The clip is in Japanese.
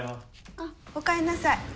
あっお帰りなさい。